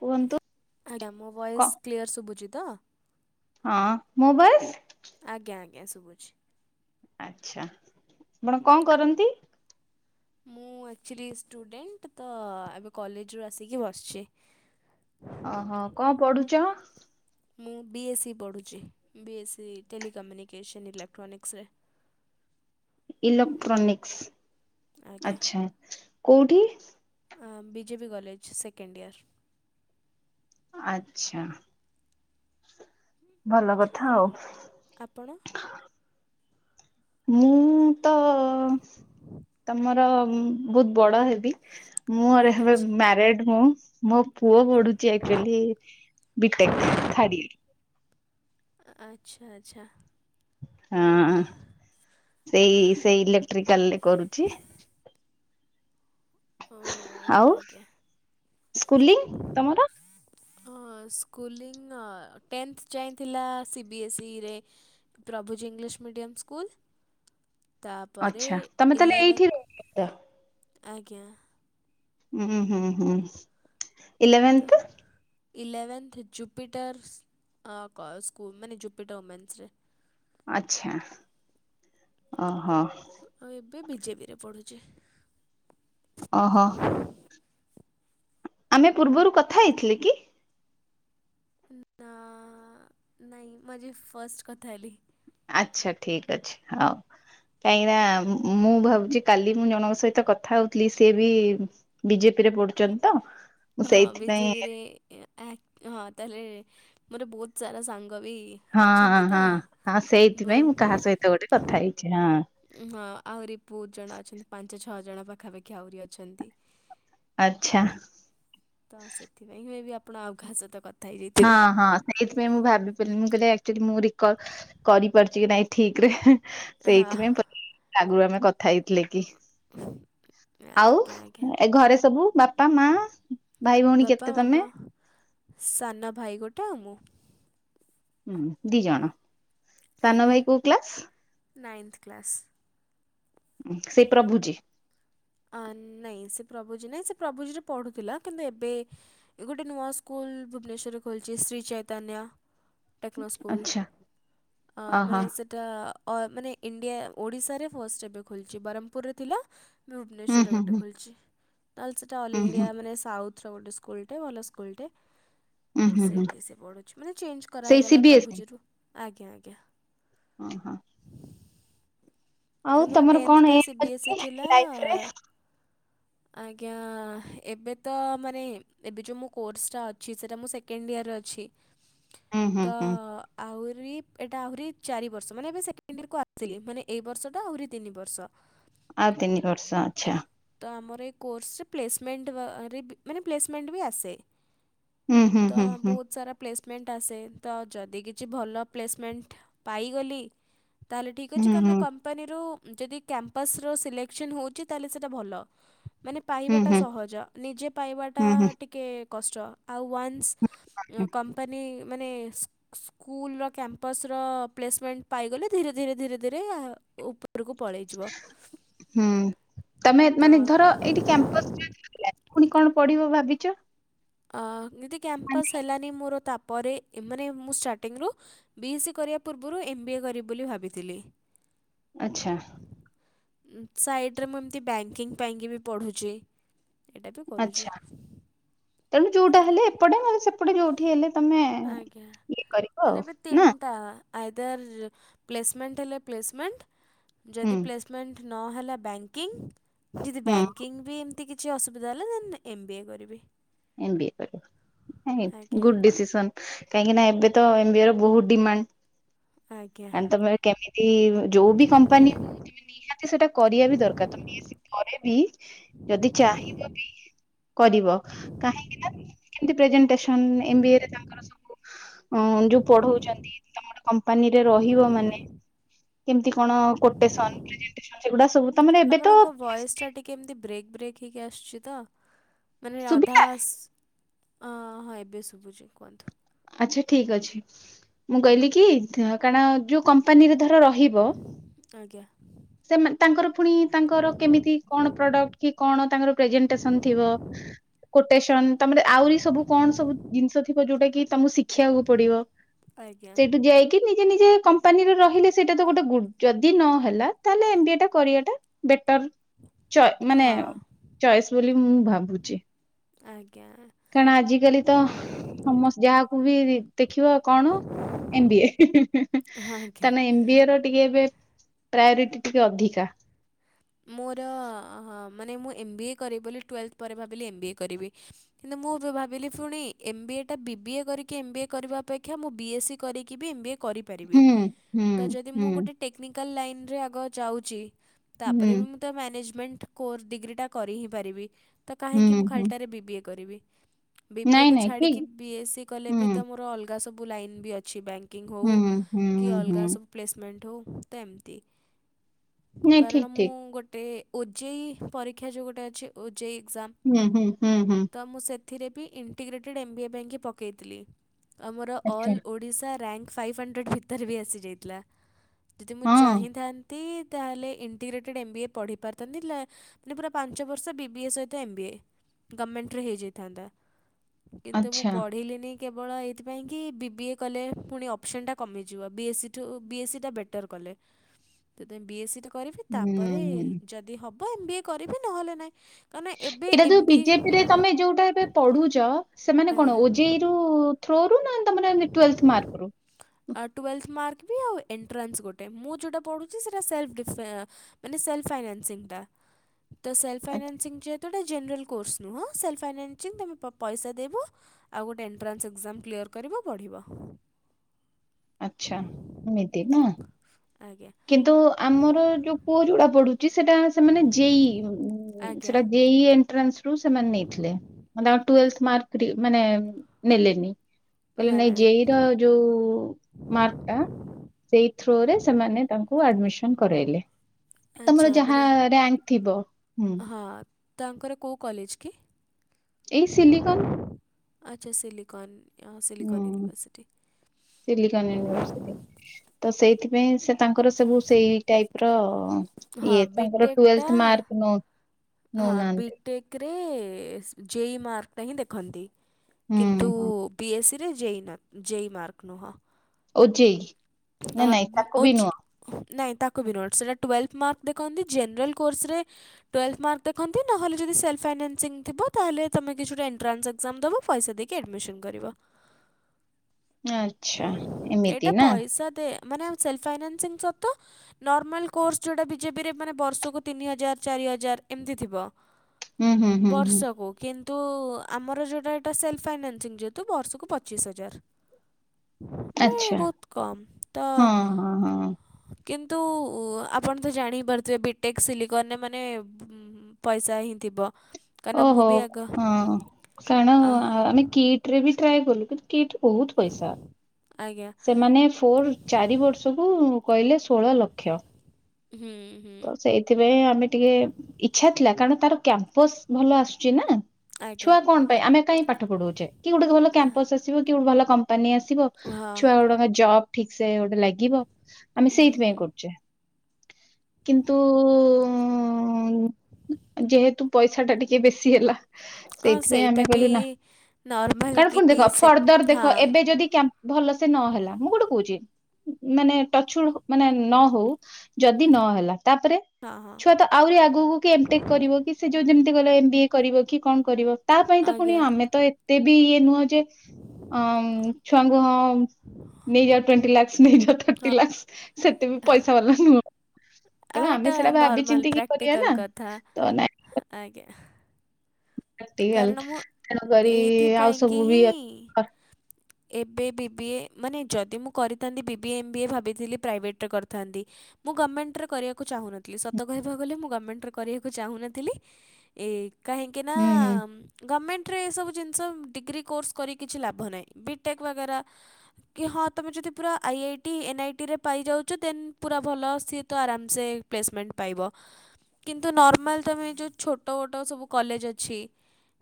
କୁହନ୍ତୁ ଆଜ୍ଞା ମୋ କ ଭଏସ କ୍ଲିୟର ଶୁଭୁଛି ତ। ହଁ ମୁଁ ବସ୍। ଆଜ୍ଞା ଆଜ୍ଞା ଶୁଭୁଛି। ଆଚ୍ଛା ଆପଣ କଣ କରନ୍ତି। ମୁଁ ଆକ୍ଚୁଆଲି ଷ୍ଟୁଡେଣ୍ଟ ତ ଏବେ କଲେଜରୁ ଆସିକି ବସିଛି। ଓହୋ କଣ ପଢୁଛ। ମୁଁ ବି ଏସ୍ ସି ପଢ଼ୁଛି ବି ଏସ୍ସି ଟେଲିିକମ୍ୟୁନିକେସନ୍ ଇଲେକ୍ଟ୍ରୋନିକ୍ସରେ। ଇଲେକ୍ଟ୍ରୋନିକ୍ସ ଆଚ୍ଛା କୋଉଠି। B J B college second year. ଆଛା। ହଁ [inaudible] ଭଲ କଥା ଆଉ। ଆପଣ। ମୁଁ ତ ତମର ବହୁତ ବଡ ହେବି। ମୁଁରେବେ ମ୍ୟାରିଡ ମୁଁ ମୋ ପୁଅ ବଢୁଛି ଆଚୁଆଲି ବିଟେକ୍ ଥାାଡିରେ। ଆଚ୍ଛା ଆଚ୍ଛା। ହଁ ସେଇ ସେଇ ଇଲେକ୍ଟ୍ରିକାଲ ରେ କରୁଛି। ହଉ। ଆଉ ସ୍କୁଂ ତମର। ହ ସ୍କୁଲିଂ ଟେନ୍ଥ ଯାଇଥିଲା ସିବି ଏସ୍ଇରେ। Prabhuji English medium school. ତାପରେ ଆଚ୍ଛା ତମେ ତାହେଲେ ଇଲେଭେନ୍ ଏଇଠି ରହୁଛ। ଆଜ୍ଞା। ହୁଁ ହୁଁ ହୁଁ। ତ ଇଲେଭେନ୍ଥ [unintelligible] ଇଲେଭେନ୍ଥ ଜୁପିଟର୍ ସ୍କୁଲ ମାନେ ଜୁପିଟର୍ ଓମେନ୍ସରେ। ଆଚ୍ଛା ଓହୋ। ଆଉ ଏବେ ବିଜେପିରେ ପଢ଼ୁଛି। ଓହୋ। ଆମେ ପୂର୍ବରୁ କଥା ହେଇଥିଲେ କି। ନା ନାହି ମଜି ଫଷ୍ଟ କଥା ଆଲି। ଆଚ୍ଛା ଠିକ ଅଛି ହଉ। କାହିଁକିନା ମୁଁ ଭାବୁଛି କାଲି ମୁଁ ଜଣଙ୍କ ସହିତ କଥା ହଉଥିଲି ସିଏ ବି ବିଜେପି ରେ ପଡୁଛନ୍ତି ତ। ମୁଁ ହଁ ସେଇଥିପାଇଁ ବିଜେବିରେ ହଁ ତାହେଲେ ମୋର ବହୁତ ସାରା ସାଙ୍ଗ ବି ହଁ ଅଛନ୍ତି ତ ହଁ ହଁ ବହୁ ସେଇଥିପାଇଁ ମୁଁ କାହା ସହିତ ଗୋଟେ କଥା ହେଇଛି ହଁ। ହଁ ଆହୁରି ବହୁତ ଜଣ ଅଛନ୍ତି ପାଞ୍ଚ ଛଅ ଜଣ ପାଖାପାଖି ଆହୁରି ଅଛନ୍ତି। ଆଚ୍ଛା। ତ ସେଥିପାଇଁ ମେ ବି ଆପଣ ଆଉ କାହା ସହିତ କଥ ହଁ ହଁ। ଏଇଥିପାଇଁ ମୁଁ ଭାବି ପାରିଲିନି ମୁଁ କହିଲି ଆକ୍ଚୁଆଲି ମୁଁ ରି କଲ୍ କରିପାରୁଛି କି ନାଇଁ ଠିକ ରେ। ହଁ ସେଇଥିପାଇଁ କହିଲି ଆଗରୁ ଆମେ କଥା ହେଇଥିଲେ କି। ଆଉ ଆଜ୍ଞା ଆଜ୍ଞା ଏ ଘରେ ସବୁ ବାପା ମା ଭାଇ ଭଉଣୀ ବାପା କେତେ ତମେ। ମାମା ସାନ ଭାଇ ଗୋଟେ ଆଉ ମୁଁ। ହୁଏ ଦି ଜଣ ସାନ ଆଜ୍ଞା ଭାଇ କୋଉ କ୍ଲାସ। Ninth class. ଉଁ ସେଇ ପ୍ରଭୁଜି। ଆ ନାଇଁ ସେ ପ୍ରଭୁଜି ନାଇଁ ସେ ପ୍ରଭୁଜି ରେ ପଢୁଥିଲା କିନ୍ତୁ ଏବେ। ଏ ଗୋଟେ ନୂଆ ସ୍କୁଲ ଭୁବନେଶ୍ୱରରେ ଖୋଲିଛି ଶ୍ରୀ ଚୈତନ୍ୟ। ଟେକ୍ନୋ ସ୍କୁଲ ଆଚ୍ଛା ଆ ଅହୋ ମାନେ ସେ। ଟା ଅ ଏ ମାନେ ଇଣ୍ଡିଆ ଓଡିଶାରେ ଫଷ୍ଟ ଏବେ ଖୋଲିଛି ବ୍ରହ୍ମପୁରରେ ଥିଲା। ହୁଁ ଭୁବନେଶ୍ୱର ରେ ହୁଁ ଗୋଟେ ହୁଁ ଖୋଲିଛି ନହେଲେ ସେଇଟା ଅଲ୍ ହୁଁ ହୁଁ ଇଣ୍ଡିଆ ମାନେ ସାଉଥ୍। ର ଗୋଟେ ସ୍କୁଲଟେ ଭଲ ସ୍କୁଲଟେ। ହୁଁ ତ ହୁଁ ହୁଁ ସେଇଠି ସେ ପଢୁଛି ମାନେ ଚେଞ୍ଜ କରା ସେଇ ହେଇଗଲା ସିିବି ଏସ୍ ପ୍ରଭୁଜୀରୁ ଆଜ୍ଞା ଆଜ୍ଞା। ଓ ହଁ। ମାନେ ମୋର ତମର ଟେନ୍ଥ କଣ ଟା M C B S E ଥିଲା। ଲାଇଫରେ ଆଜ୍ଞା ଏବେ ତ ମାନେ। ଏବେ ଯୋଉ ମୋ କୋର୍ସଟା ଅଛି ସେଇଟା ମୁଁ ସେକେଣ୍ଡ ଇୟର୍ର ରେ ଅଛି ହୁଁ ହୁଁ ତ। ହୁଁ ଆହୁରି ଏଟା ଆହୁରି ଚାରି ବର୍ଷ ମାନେ ଏବେ ସେକେଣ୍ଡ ଇଅର କୁ ଆସିଲି ମାନେ ଏଇ ବର୍ଷ। ଆହୁରି ତିନି ବର୍ଷ। ଆଉତିନି ବର୍ଷ ଆଚ୍ଛା। ତ ଆମର ଏଇ କୋର୍ସରେ ପ୍ଲେସମେଣ୍ଟ ବା ରିବି ମାନେ ପ୍ଲେସମେଣ୍ଟ ବି ଆସେ। ହୁଁ ହୁଁ ତ ହୁଁ ହୁଁ ବହୁତ ସାରା। ପ୍ଲେସମେଣ୍ଟ ଆସେ ତ ଯଦି କିଛି ଭଲ ପ୍ଲେସମେଣ୍ଟ ପାଇଗଲି। ତାହେଲେ ଠିକ ଅଛି ହୁଁ କାରଣ ହୁଁ କମ୍ପ ମ୍ପାନିରୁ ଯଦି କ୍ୟାମ୍ପସ ର ସିଲେକ୍ସନ ହଉଛି ତା ହେଲେ ସେଇଟା ଭଲ। ମାନେ ହୁଁ ପାଇବାଟା ହୁଁ ସହଜ ନିଜେ ପାଇବାଟା ହୁଁ ହୁଁ ଟିକେ କଷ୍ଟ। ଆଉ ୱାନ୍ସ କମ୍ପାନୀ ମାନେ। ସ୍କୁଲର କ୍ୟାମ୍ପସର ପ୍ଲେସମେଣ୍ଟ ପାଇଗଲେ ଧୀରେ ଧୀରେ ଧୀରେ ଧୀରେ ଉପ ରକୁ ପଳେଇ ଯିବା ହୁଁ ତମେ ତ। ମାନେ ଧର ଏଇଠି କ୍ୟାମ୍ପସ ପୁଣି କଣ ପଢିବ ଭାବିଛ। ଆଁ ଯଦି କ୍ୟାମ୍ପସ୍ ହେଲାନି ମୋର ତାପରେ। ମାନେ ମୁଁ ଷ୍ଟାର୍ଟିଂରୁୁ ବି ଏସ୍ ସି କରିବା ପୂର୍ବରୁ ଏମ୍ ବି ଏ କରିବି ବୋଲି ଭାବିଥିଲି। ଆଛା। ଉଁ ସାଇଟ୍ ମୁଁ ଏମିତି ବ୍ୟାଙ୍କିଙ୍ଗ୍ ପାଇଁକି ବି ପଢ଼ୁଛି ଏଇଟା ବି କରୁଛି। ଆଚ୍ଛା ତେଣୁ ଯୋଉଟା ହେଲେ ଏପଟେ ନହେଲେ ସେପଟେ ଯୋଉଠି ହେଲେ ତମେ ଇଏ କରିବ ଆଉ ନା। ଆ ଖାଦ୍ୟ ପ୍ଲେସ ମେଣ୍ଟ ହେଲେ ପ୍ଲେସମେଣ୍ଟ ହୁଁ ଯଦି ପ୍ଲେସ ମେଣ୍ଟ ନ ହେଲା ବ୍ୟାଙ୍କିଙ୍ଗ୍ ଯଦି ହୁଁ ବ୍ୟାଙ୍କିଙ୍ଗ୍ ବି ବି କିଛି ଅସୁବିଧା ହେଲା ଦେନ୍ ଏମ୍ ବି ଏ କରିବି। ଏମ୍ ବି ଏ କରିବ ହଁ ଏ ଆଜ୍ଞା ଗୁଡ୍ ଡିସିସନ୍। କାହିଁକି ନା ଏବେ ତ ଏମ ବି ଏ ର ବହୁତ ଆଜ୍ଞା ଡିମାଣ୍ଡ, [unintelligible] କେମିତି ଯୋଉ ବି କମ୍ପାନୀ ନିହାତି ସେଟା କରିବା ବି ଦରକାର, ବି ଏ ସି ପରେ ବି ଯଦି ଚାହିଁବ ବି କରିବ, କାହିଁକି ନା କେମିତି ପ୍ରେଜେଣ୍ଟଟେସନ୍ ଏମ୍ ବି ଏ ରେ ତାଙ୍କର ସବୁ ଯୋଉ ପଢଉଛନ୍ତି, ତମେ ଗୋଟେ କମ୍ପାନୀରେ ରହିବ ମାନେ କେମିତି କଣ କୋଟେସନ, ପ୍ରେଜେଣ୍ଟଟେସନ୍ ସେଗୁଡା ସବୁ ତମର ଏବେ ତ ଆପଣଙ୍କ ଭଏସ୍ ଟା ଟିକେ ଏମିତି ବ୍ରେକ୍ ବ୍ରେକ୍ ହେଇକି ଆସୁଛି ତ। ମାନେ ଅଧା ସୁବିଧା ଆସ୍, ହଁ ଏବେ ଶୁଭୁଛି କୁହନ୍ତୁ। ଆଚ୍ଛା ଠିକ୍ ଅଛି, ମୁଁ କହିଲି କି କାରଣ ଯୋଉ କମ୍ପାନୀରେ ଧର ରହି ହ୍ୟାଲୋ। ଆଜ୍ଞା ସେମାନେ ତାଙ୍କର ପୁଣି ତାଙ୍କର କେମିତି କଣ ପ୍ରଡକ୍ଟ, କି କଣ ତାଙ୍କର ପ୍ରେଜେଣ୍ଟେସନ ଥିବ। କୋଟେସନ, ତାପରେ ଆହୁରି ସବୁ କଣ ସବୁ ଜିନିଷ ଥିବ ଯୋଉଟା କି ତମକୁ ଶିଖିବାକୁ ପଡିବ, ଆଜ୍ଞା ସେଇଠୁ ଯାଇକି ନିଜେ ନିଜେ କ ମ୍ପାନୀରେ ରହିଲେ ସେଇଟା ତ ଗୋଟେ ଯଦି ନ ହେଲା, ତାହେଲେ ଏମ୍ ବି ଏ ଟା କରିଆଟା ବେଟର୍। ଚ ମାନେ ହଁ ଚଏସ ବୋଲି ମୁଁ ଭାବୁଛି। ଆଜ୍ଞା। କାରଣ ଆଜିକାଲି ତ ସମସ୍ତେ ଯାହାକୁ ବି ଦେଖିବ କଣ ଏମ୍ ବି ଏ ଆଜ୍ଞା କାରଣ ଏମ୍ ବି ଏର ଟିକେ ଏବେ ପ୍ରାୟୋରିଟି ଟିକେ ଅଧିକା। ମୋର ମାନେ ମୁଁ ଏମ୍ ବି ଏ କରିବି ବୋଲି, ଟୁଏଲ୍ଥ ପରେ ଭାବିଲି ଏମ୍ ବି ଏ କରିବି। କିନ୍ତୁ ମୁଁ ଭାବିଲି ପୁଣି ଏମ୍ ବି ଏ ଟା, ବି ବି ଏ କରିକି ଏମ୍ ବି ଏ କରିବା ଅପେକ୍ଷା ମୁଁ ବି ଏ ସି କରିକି ବି ଏମ୍ ବି ଏ କରିପାରିବି। ହୁଁ ହୁଁ ତ ଯଦି ମୁଁ ହୁଁ ଗୋଟେ ଟେକ୍ନିକାଲ ଲାଇନ୍ ରେ ଆଗ ଯାଉଛି, ହୁଁ ତାପରେ ବି ମୁଁ ତା ମ୍ୟାନେଜମେଣ୍ଟ କୋର୍ସ ଡ଼ିଗ୍ରୀଟା କରି ହିଁ ପାରିବି। ତ କାହିଁକି ମୁଁ ହୁଁ ହୁଁ ଖାଲିଟାରେ ବିି ବି ଏ କରିବି? ବିି ବି ଏକୁ ଛାଡ଼ିକି ବି ଏ ସି କଲେ ବି ତ ମୋର ଅଲଗା ସବୁ ଲାଇନ୍ ବି ଅଛି। ବ୍ୟାଙ୍କ୍ ବ୍ୟାଙ୍କିଙ୍ଗ ହଉ, କି ଅଲଗା ସବୁ ପ୍ଲେସମେଣ୍ଟ ହଉ ତ ଏମିତି। କାରଣ ମୁଁ ଗୋଟେ ଓ ଜେ ଇ ପରୀକ୍ଷା ଯୋଉ ଗୋଟେ ଅଛି ଓ ଜେ ଇ ଏକ୍ଜାମ୍ ତ ମୁଁ ସେଥିରେ ବି ଇଣ୍ଟିଗ୍ରେଟେଡ୍ ଏମ୍ ବି ଏ ପାଇଁକି ପକେଇଥିଲି। ଆମର ଆଚ୍ଛା। All Odisha rank five hundred ଭିତରେ ବି ଆସିଯାଇଥିଲା। ଯଦି ମୁଁ ହଁ, ଚାହିଁଥାନ୍ତି ତାହେଲେ ଇଣ୍ଟିଗ୍ରେଟେଡ଼୍ ଏମ୍ ବି ଏ ପଢ଼ି ପାରିଥାନ୍ତି, ମାନେ ପୁରା ପାଞ୍ଚ ବର୍ଷ ବି ବି ଏ ସହିତ ଏମ୍ ବି ଏ। ଗମେଣ୍ଟରେ ହେଇଯାଇଥାନ୍ତା, କିନ୍ତୁ ମୁଁ ଆଚ୍ଛା। ପଢିଲିନି କେବଳ ଏଇଥିପାଇଁ କି ବି ବିଏ କଲେ ପୁଣି ଅପସନ୍ଟା କମିଯିବ। ବି ଏ ସି ଠୁ ବି ଏ ସି ଟା ବେଟ ଟର୍ କଲେ। ତେବେ ବି ଏ ସି ଟା କରିବି, ତାପରେ ହୁଁ। ଯଦି ହବ ଏମ୍ ବି ଏ କରିବି ନହେଲେ ନାହିଁ କାରଣ ଏବେ ଏଇଟା ଯୋ ଏମ୍ ବି ଏ ଜେ ପିରେ ତମେ ଯୋଉଟା ଏବେ ପଢୁଛ, ସେ ମାନେ ଆଜ୍ଞା କଣ ଓ ଜେ ଇ ଯୋଉ ଥ୍ରୋରୁ ନା ତମର ଟୁଏଲ୍ଥ ମାର୍କରୁ? ଆଉ ଟୁଏଲ୍ଥ ମାର୍କ ବି, ଆଉ ଏଣ୍ଟ୍ରାନ୍ସ ଗୋଟେ ମୁଁ ଯୋଉଟା ପଢ଼ୁଛି ସେଇଟା ସେଲ୍ଫେ ମାନେ ସେଲ୍ଫ ଫାଇନାସୀଙ୍ଗ ଟା, ସେଲ୍ଫ ଆଚ୍ଛା, ଫାଇଂନାସିଙ୍ଗ ଯେହେତୁ ଜେନେରାଲ କୋର୍ସ୍ ନୁହଁ, ସେଲ୍ଫ ଫାଇଂନାସିଂ ତମେ ପଇସା ଦବ ଆଉ ଗୋଟେ ଏଣ୍ଟ୍ରାନ୍ସ ଏକଜାମ୍ କ୍ଲିୟର କରିବ ପଢିବ। ଆଚ୍ଛା ଏମିତି ନା। ଆଜ୍ଞା କିନ୍ତୁ ଆମର ଯୋଉ ପୁଅ ଯୋଉଟା ପଢ଼ୁଚି, ସେଟା ସେମାନେ ଯେ ଇ ଆଜ୍ଞା ସେଟା ଯେ ଇ ଏଟ୍ରାନ୍ସରୁ ସେମାନେ ନେଇଥିଲେ। ମାନେ ତାଙ୍କ ଟୁଏଲ୍ଥ ମାର୍କ ରି ମାନେ ନେଲେନି। କହିଲେ ନା ନାଇଁ ନା ଜେଇର ଯୋଉ ମାର୍କ ଟା ସେଇ ଥ୍ରୋରେ ସେମାନେ ତାଙ୍କୁ ଆଡମିସନ କରାଇଲେ। ତମର ଆଚ୍ଛା ଯାହା ମାନେ ରାଙ୍କ ଥିବ ହୁଁ। ହଁ ତାଙ୍କର କୋଉଁ କଲେଜ କି? ଏଇ ସିଲିକନ। ଆଚ୍ଛା ସିଲିକନ୍ ସିଲିକନ୍ ହୁଁ ଇନଭର୍ଶିଟି। ସିଲିକନ ୟୁନିଭରସିଟି ତ ସେଇଥିପାଇଁ ସେ ତାଙ୍କର ସବୁ ସେଇ ଟାଇପ ର ହଁ ଇଏ ତାଙ୍କର ବିଟେକ୍ଟା ଟୁଲଥ ମାର୍କ ନଉ ନଉ ନାହାନ୍ତି। ଟେକେ ଜେଇ ମାର୍କଟା ହିଁ ଦେଖନ୍ତି। କିନ୍ତୁ ହୁଁ ହୁଁ ବି ଏସ୍ ସି ରେ ଜେଇ ଜେଇ ମାର୍କ ନୁହଁ। ଓଜେଇ। ନା ଆ ନାଇଁ ତାକୁ ବି ଓଜି, ନୁହଁ ନାଇଁ ତାକୁ ବି ନୁହେଁ ସେଇଟା ଟୁଏଲ୍ ମାର୍କ ଦେଖନ୍ତି ଜେନେରାଲ କୋର୍ସରେ ଟୁଏଲ୍ଥ ମାର୍କ ଦେଖନ୍ତି ନହେଲେ ଯଦି ସେଲ୍ଫ ଫନାନ୍ସିଙ୍ଗି ଥିବ ତାହେଲେ ତମେ କିଛି ଗୋଟେ ଏଣ୍ଟ୍ରାନ୍ସ ଏକ୍ଜାମ ଦେବ ପଇସ ଦେଇ କି ଆଡିମିସନ୍ କରିବ। ଆଛା ଏମିତି ନା। ତା ଦେ ମାନେ ସେଲଫ ଫାଇନାନ୍ସିଂ ସତ ନର୍ମାଲ କୋର୍ସ ଯେଉଁଟା ବିଜେପିରେ ମାନେ ବର୍ଷକୁ ତିନି ହଜାର ଚାରି ହଜାର ଏମିତି ଥିବ। ହୁଁ ହୁଁ ହୁଁ ହୁଁ ବର୍ଷକୁ। କିନ୍ତୁ ଆମର ଯେଉଁଟା ଏଇଟା ସେଲ୍ଫ ଫାଇନାନ୍ସିଂ ଯେହେତୁ ବର୍ଷକୁ ପଚିଶ ହଜାର। ମାନେ ଆଚ୍ଛା ବହୁତ କମ୍ ତ ହଁ ହଁ ହଁ କିନ୍ତୁ ଆପଣ ତ ଜାଣିପାରୁଥିବେ ବିଟେକ୍ ସିଲିକନରେ ମାନେ ହୁଁ। ପଇସା ହିଁ ଥିବ। କାରଣ ମୁଁ ଓହୋ ବି ଆଗ ହଁ କଣ ଆଃ ଆମେ କିଟି ରେ ବି ଟ୍ରାଏ କଲୁ କିଟ୍ ବହୁତ ପଇସା। ଆଜ୍ଞା ସେମାନେ ଫୁଲ୍ ଚାରି ବର୍ଷକୁ କହିଲେ ଷୋଳ ଲକ୍ଷ। ହୁଁ ହୁଁ। ହେଥିପାଇଁ ଆମେ ଟିକେ ଇଛା ଥିଲା କାରଣ ତାର କ୍ୟାମ୍ପସ ଭଲ ଆସୁଛି ନା। ଆଜ୍ଞା ଛୁଆ କଣ ପାଇଁ ଆମେ କାହିଁ ପାଠ ପଢୁଛେ କି ଗୋଟେ ଭଲ କ୍ୟାମ୍ପସ ଆସିବ କି ଗୋଟେ ଭଲ କମ୍ପାନୀ ଆସିବ। ହଁ ଛୁଆ ଗୁଡାଙ୍କ ଜବ ଠିକ ସେ ଗୋଟେ ଲାଗିବ ଆମେ ହୁଁ ହୁଁ ସେଇଥିପାଇଁ କରୁଛେ। କିନ୍ତୁ ଯେହେତୁ ପଇ ଛାଟା ଟିକେ ବେଶୀ ହେଲା। ହଁ ସେଇଥିପାଇଁ ସେଇଟା ଆମେ ବି କହିଲୁ ନା ନର୍ମାଲ କାଣ କି ପୁଣି ଦେଖ ସେ ଫର୍ଦର ହଁ ଦେଖ ଏବେ ଯଦି କ୍ୟମ୍ ଭଲ ସେ ନହେଲା ମୁଁ ଗୋଟେ କହୁଛି ମାନେ ଟଛୁଡ୍ ମାନେ ନ ହଉ ଯଦି ନହେଲା ତାପରେ ହଁ ହଁ ଛୁଆ ତ ଆହୁରି ଆଗକୁ କି ଏମଟେକ୍ କରିବ କି ସେ ଯଉ ଯେମିତି ଗଲେ ଏମ ବି ଏ କରିବ କି କଣ କରିବ ତା ପାଇଁ ତ ପୁଣି ଆଜ୍ଞା ଆମେ ତ ଏତେ ବି ଇଏ ନୁହଁ ଯେ ଅ ଛୁଆଙ୍କୁ ହଁ ନେଇଯା ଟ୍ବେଣ୍ଟିଲାକ୍ଷ ନେଇଯା ଥାଟି ଲାକ୍ସ ସେତେ ବି ପଇସା ବାଲା ନୁହଁ। ଆ ତେଣୁ ଆମେ ଏଇଟା ସେଟା ଭାବି ନର୍ମାଲ ଚିନ୍ତିକି କରିବା ପ୍ରାକ୍ଟିକାଲ ନା କଥା ତ ନାଇଁ ଆଜ୍ଞା। ପ୍ରାକ୍ଟିକାଲ କାରଣ ମୁଁ ତେଣୁକରି ଆଉ ଏଇଥିପାଇ ସବୁ କି ବି ହିଁ ହୁଁ ଏବେ ବି ବିି ଏ ମାନେ ଯଦି ମୁଁ କରିଥାନ୍ତି B B A M BA ଭାବିଥିଲି ପ୍ରାଇଭେଟ୍ ରେ କରିଥାନ୍ତି। ମୁଁ ଗମେଣ୍ଟରେ କରିବାକୁ ଚାହୁଁ ନଥିଲି ସତ କହିବାକୁ ଗଲେ ମୁଁ ଗମେଣ୍ଟରେ କରିବାକୁ ଚାହୁଁନଥିଲି। ଏ କାହିଁକି ନା ହୁଁ ଗମେଣ୍ଟରେ ଏସବୁ ଜିନିଷ ଡିଗ୍ରୀ କୋର୍ସ କରି କିଛି ଲାଭ ନାହିଁ ବିଟେକ୍ ବାଗେରା ହଁ ତମେ ଯଦି ପୁରା I I T, N I T ରେ ପାଇଯାଉଛ ଦେନ୍ ପୁରା ଭଲ ସିଏ ତ ଆରାମସେ। ପ୍ଲେସମେଣ୍ଟ ପାଇବ କିନ୍ତୁ ନର୍ମାଲ ତମେ ଯେଉଁ ଛୋଟ ବୋଟ ସବୁ କଲେଜ ଅଛି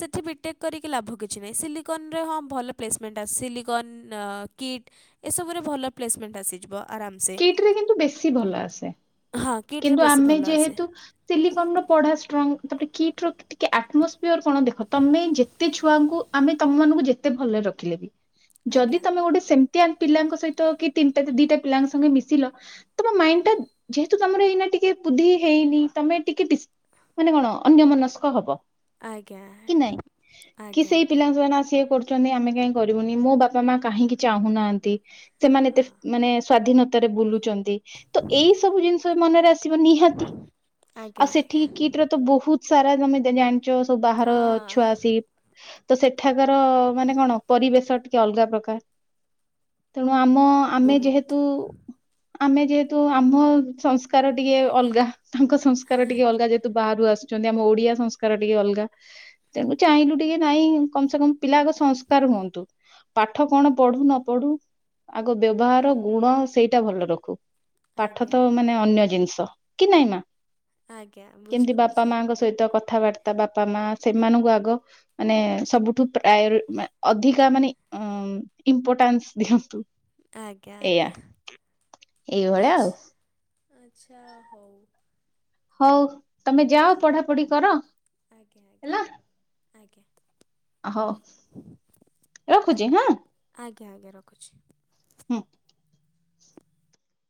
ସେଠି ବିଟେକ୍ କରିକି ଲାଭ କିଛି ନାହିଁ ସିଲିକନରେ ହଁ ଭଲ ପ୍ଲେସମେଣ୍ଟ ଆସେ ସିଲିକନ୍, କିଟ୍। ଏସବୁରେ ଭଲ ପ୍ଲେସମେଣ୍ଟ ଆସିଯିବ ଆରାମସେ କିଟ୍ ରେ କିନ୍ତୁ ବେଶୀ ଭଲ ଆସେ ହଁ କିଟରେ ବେଶୀ ଭଲ ଆସେ। ସିଲିକନ୍ ର ପଢା ଷ୍ଟ୍ରଙ୍ଗ ତାପରେ କିଟ ର ଟିକେ ଆଟମୋସ୍ ପିଅର କଣ ଦେଖ ତମେ ଯେତେ ଛୁଆଙ୍କୁ ଆମେ ତମ ମାନଙ୍କୁ ଯେତେ ଭଲରେ ରଖିଲେ ବି ଯଦି ଆଜ୍ଞା ତମେ ଗୋଟେ ସେମ ତିଆନ୍ ପିଲାଙ୍କ ସହିତ କି ତିନିଟା ଦିଟା ପିଲାଙ୍କ ସଙ୍ଗେ ମିଶିଲ ତମ ମାଇଣ୍ଡ ଟା ତୁ ତମର ଏଇନା ଟିକେ ବୁଦ୍ଧି ହେଇନି ତମେ ଟିକେ ଡିସ୍ ମାନେ କଣ ଅନ୍ୟମନସ୍କ ହବ। ଆଜ୍ଞା କି ନାଇଁ କି ଆଜ୍ଞା ସେଇ ଆଜ୍ଞା ପିଲା ଯୋଉମାନେ ଆସିକି କରୁଥିବେ ଚନେ ଆମେ କାଇଁ କରିବୁନି ମୋ ବାପା ମା କାହିଁକି ଚାହୁଁନାହାନ୍ତି ସେମାନେ ଏତେ ମାନେ ସ୍ଵାଧୀନ ତରେ ବୁଲୁଛନ୍ତି ତ ଏଇ ସବୁ ଜିନିଷ ମନରେ ଆସ୍ ସିବ ନିହାତି ଆଉ ଆଜ୍ଞା ସେଠିକି କିଟର ତ ବହୁତ ସାରା ତମେ ଜାଣି ଯୋଉ ସବୁ ବାହାର ହଁ ହଁ ଛୁଆ ଆସିକି ତ ସେଠାକାର ମାନେ କଣ ପରିବେଶ ଟିକେ ଅଲଗା ପ୍ରକାର। ତେଣୁ ଆମ ଆମେ ବହୁତ ଯେହେତୁ ଆମେ ଯେହେତୁ ଆମ ସଂସ୍ ସଂସ୍କାର ଟିକେ ଅଲଗା ତାଙ୍କ ସଂସ୍କାର ଟିକେ ଅଲଗା ଯେହେତୁ ବାହାରୁ ଆସୁ ଛନ୍ତି ଆମ ଓଡିଆ ସଂସ୍କାର ଟିକେ ଅଲଗା। ତେଣୁ ଚାହିଁଲୁ ଟିକେ ନାଇଁ କମ ସେ କମ ପିଲାଙ୍କ ସଂସ୍କାର ହୁଅନ୍ତୁ। ପାଠ କଣ ପଢୁ ନ ପଢୁ ଆଗ ବ୍ୟବହାର ଗୁଣ ସେଇଟା ଭଲ ରଖୁ। ପାଠ ତ ଆଜ୍ଞା ମାନେ ଆଜ୍ଞା ଅନ୍ୟ ଜିନିଷ କି ନାଇଁ ମା, ଆଜ୍ଞା କେମିତି ବାପା ବୁଝିପାରୁଛି ମାଙ୍କ ସହିତ କଥ ଥାବାର୍ତ୍ତା ବାପା ମା ସେମାନଙ୍କୁ ଆଗ ମାନେ ସବୁଠୁ ପ୍ରାୟର୍ ଅଧିକା ମାନେ ଅ ଇମ୍ପୋର୍ଟାନ୍ସ ଦିଅନ୍ତୁ। ଆଜ୍ଞା ଏଇଆ ଆଜ୍ଞା ଏଇଭଳିଆ ଆଚ୍ ଆଉ ଆଚ୍ଛା ହଉ। ହଉ ତମେ ଯାଅ ଆଜ୍ଞା ପଢ଼ା ପଢ଼ି କର ଆଜ୍ଞା ଆଜ୍ଞା ହେଲା। ଆଜ୍ଞା। ହଉ ରଖୁଛି ହାଁ। ଆଜ୍ଞା ଆଜ୍ଞା ରଖୁଛି। ହୁଁ